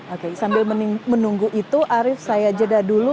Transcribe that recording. oke sambil menunggu itu arief saya jeda dulu